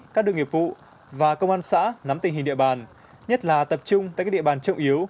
các đường nghiệp vụ và công an xã nắm tình hình địa bàn nhất là tập trung tại các địa bàn trọng yếu